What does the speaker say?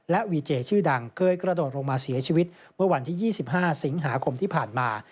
วีเจชื่อดังเคยกระโดดลงมาเสียชีวิตเมื่อวันที่๒๕สิงหาคมที่ผ่านมา